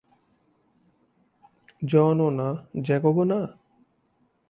জনও না, যাকোবও না?